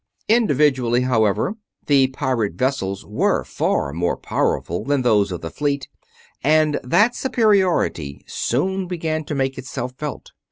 Individually, however, the pirate vessels were far more powerful than those of the fleet, and that superiority soon began to make itself felt.